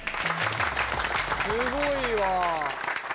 すごいわ。